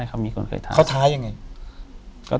อยู่ที่แม่ศรีวิรัยิลครับ